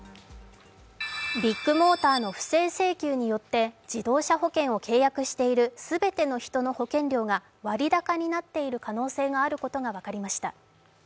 ビッグモーターの不正請求によって自動車保険を契約している全ての人の保険料が割高になっている可能性があることが分かりました。